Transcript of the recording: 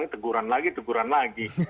teguran lagi teguran lagi